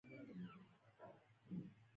ځکه هغه مسایل نور وجود نه لري، له منځه ځي.